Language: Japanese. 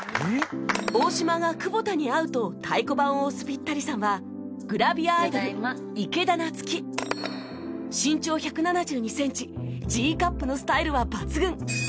大島が久保田に合うと太鼓判を押すピッタリさんは身長１７２センチ Ｇ カップのスタイルは抜群